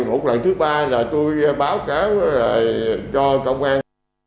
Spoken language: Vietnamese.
một lần thứ ba là tôi báo cáo cho công an